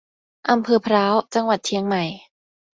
อำเภอพร้าว จังหวัดเชียงใหม่